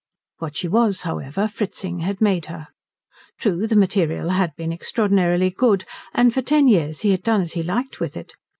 What she was, however, Fritzing had made her. True the material had been extraordinarily good, and for ten years he had done as he liked with it.